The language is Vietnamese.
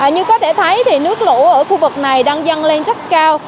như có thể thấy nước lũ ở khu vực này đang dăng lên rất cao